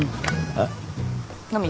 えっ？